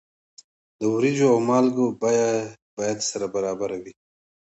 د وریجو او مالګې بیه باید سره برابره وي.